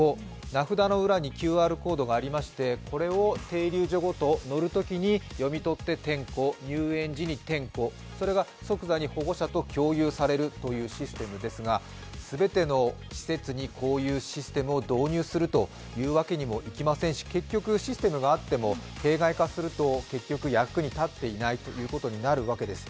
名札の裏にＱＲコードがありましてこれを停留所ごと、乗るときに読み取って点呼、入園児に点呼それが即座に保護者と共有されるというシステムですが、全ての施設にこういうシステムを導入するというわけにもいきませんし結局、システムがあっても形骸化すると結局役に立っていないということになるわけです。